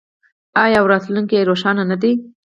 آیا او راتلونکی یې روښانه نه دی؟